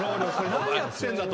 何やってんだ？」と。